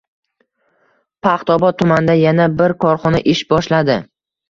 Paxtaobod tumanida yana bir korxona ish boshladi